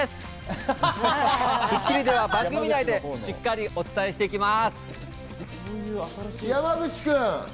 『スッキリ』では番組内でしっかりお伝えしていきます。